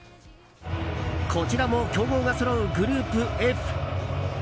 こちらも強豪がそろうグループＦ。